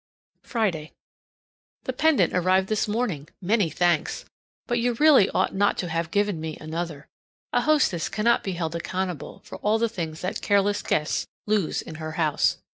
Friday. The pendant arrived this morning. Many thanks! But you really ought not to have given me another; a hostess cannot be held accountable for all the things that careless guests lose in her house.